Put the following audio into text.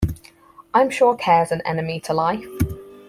I'm sure care's an enemy to life.